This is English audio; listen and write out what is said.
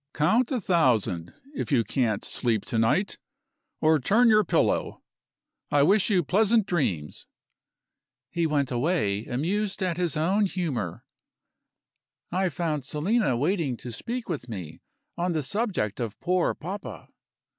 "Count a thousand, if you can't sleep to night, or turn your pillow. I wish you pleasant dreams." He went away, amused at his own humor. I found Selina waiting to speak with me, on the subject of poor papa.